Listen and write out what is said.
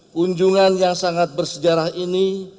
kunjungan yang sangat bersejarah ini